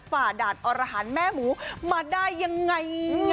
ฝ่าด่านอรหารแม่หมูมาได้ยังไง